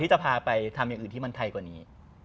อีกอย่างอื่นที่มันไทยกว่านี้